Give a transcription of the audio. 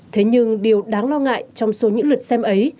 thế nhưng điều đáng lo ngại trong số những lượt xem ấy